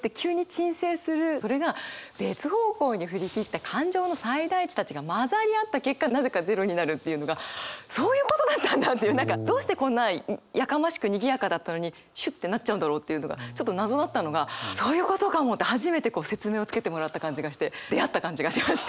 それが「別方向に振り切った感情の最大値たちが混ざり合った結果なぜか“ゼロ”になる」っていうのがそういうことだったんだっていう何かどうしてこんなやかましくにぎやかだったのにシュッてなっちゃうんだろうっていうのがちょっと謎だったのがそういうことかもって初めて説明をつけてもらった感じがして出会った感じがしました。